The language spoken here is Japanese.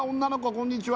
こんにちは